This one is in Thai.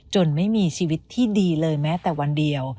ไม่มีชีวิตที่ดีเลยแม้แต่วันเดียว